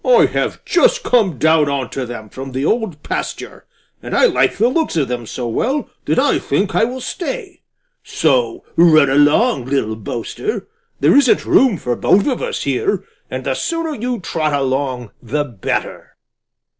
I have just come down on to them from the Old Pasture, and I like the looks of them so well that I think I will stay. So run along, little boaster! There isn't room for both of us here, and the sooner you trot along the better."